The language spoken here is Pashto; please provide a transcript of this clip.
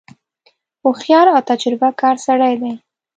هوښیار او تجربه کار سړی دی.